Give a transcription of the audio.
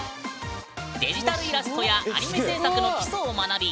デジタルイラストやアニメ制作の基礎を学び